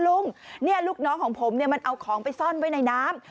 ลุงลูกน้องของผมเนี่ยมันเอาของไปซ่อนไว้ในน้ำ